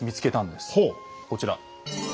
こちら。